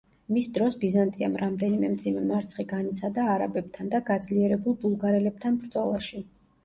მის დროს ბიზანტიამ რამდენიმე მძიმე მარცხი განიცადა არაბებთან და გაძლიერებულ ბულგარელებთან ბრძოლაში.